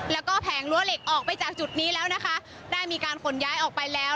แล้วก็แผงรั้วเหล็กออกไปจากจุดนี้แล้วนะคะได้มีการขนย้ายออกไปแล้ว